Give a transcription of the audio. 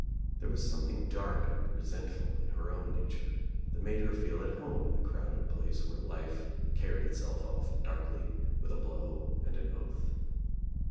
There was something dark and resentful in her own nature that made her feel at home in the crowded place where life carried itself off darkly, with a blow and an oath.